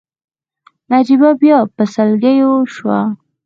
نجيبه بيا په سلګيو شوه.